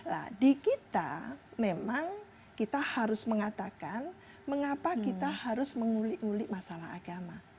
nah di kita memang kita harus mengatakan mengapa kita harus mengulik ulik masalah agama